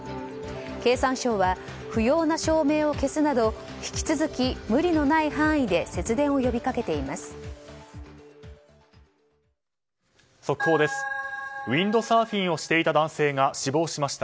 経産省は不要な照明を消すなど引き続き無理のない範囲で節電を呼びかけています。